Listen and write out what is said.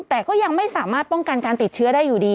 แต่ก็ยังไม่สามารถป้องกันการติดเชื้อได้อยู่ดี